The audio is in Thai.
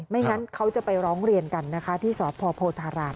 งั้นเขาจะไปร้องเรียนกันนะคะที่สพโพธาราม